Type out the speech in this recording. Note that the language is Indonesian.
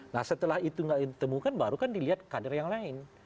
nah setelah itu nggak ditemukan baru kan dilihat kader yang lain